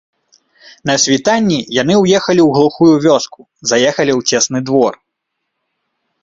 На світанні яны ўехалі ў глухую вёску, заехалі ў цесны двор.